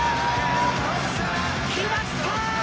決まったー！